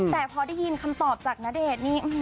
แต่พอได้ยินคำตอบจากณเดชน์นี่